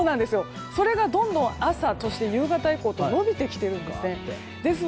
それがどんどん朝、夕方以降と延びてきているですね。